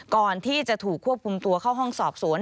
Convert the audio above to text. ก่อนที่จะถูกควบคุมตัวเข้าห้องสอบสวน